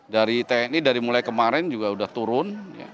dari tni dari mulai kemarin juga sudah turun